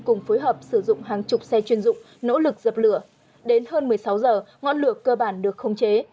cùng phối hợp sử dụng hàng chục xe chuyên dụng nỗ lực dập lửa đến hơn một mươi sáu h ngọn lửa cơ bản được khống chế